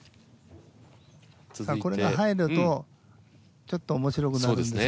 これが入るとちょっと面白くなるんですけどね。